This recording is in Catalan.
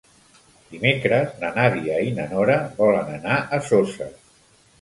Dimecres na Nàdia i na Nora volen anar a Soses.